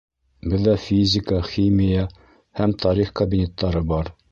Беҙҙә физика, химия һәм тарих кабинеттары бар.